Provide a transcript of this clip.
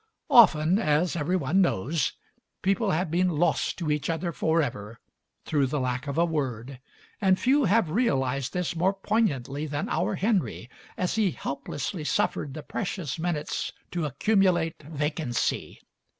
Often— as everyone knows — people have been lost to each other forever through the lack of a Digitized by Google 1S6 MARY SMITH word, and few have realized this more poignantly than our Henry, as he helplessly suffered the pre cious minutes to accumulate vacancy.